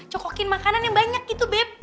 cokokin makanan yang banyak gitu bep